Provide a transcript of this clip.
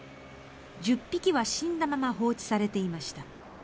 １０匹は死んだまま放置されていました。